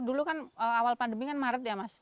dulu kan awal pandemi kan maret ya mas